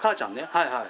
はいはい。